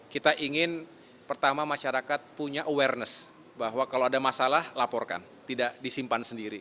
kita ingin pertama masyarakat punya awareness bahwa kalau ada masalah laporkan tidak disimpan sendiri